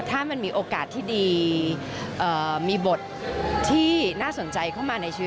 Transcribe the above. ถ้ามันมีโอกาสที่ดีมีบทที่น่าสนใจเข้ามาในชีวิต